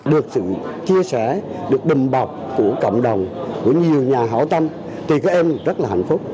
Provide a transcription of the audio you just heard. được sự chia sẻ được bình bọc của cộng đồng của nhiều nhà hậu tâm thì các em rất là hạnh phúc